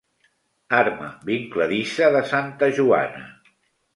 Arma vincladissa de santa Joana.